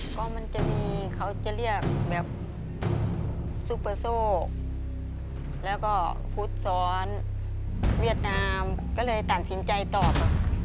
ก็มันจะมีเขาจะเรียกแบบซูเปอร์โซแล้วก็ฟุตซอลเวียดนามก็เลยตัดสินใจตอบ